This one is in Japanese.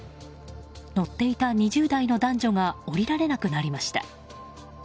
乗っていた２０代の男女が降りられなくなりました。